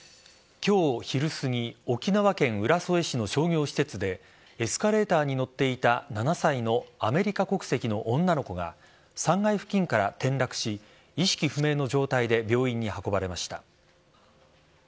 今日昼すぎ沖縄県浦添市の商業施設でエスカレーターに乗っていた７歳のアメリカ国籍の女の子が３階付近から転落し意識不明の状態で病院に運ばれました。